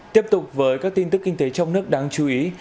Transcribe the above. tiếp tục với các tin tức kinh tế trong nước đáng chú ý